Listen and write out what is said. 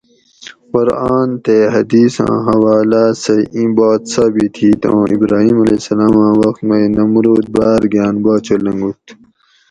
قرآن تے حدیثاں حوالاۤ سہ اِیں بات ثابِت ھِیت اُوں ابراھیم (ع) آں وخت مئ نمرود باۤر گاۤن باچا لنگوت